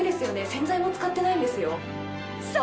洗剤も使ってないんですよ。